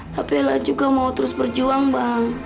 tapi ella juga mau terus berjuang bang